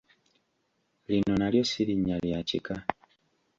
Lino nalyo si linnya lya kika.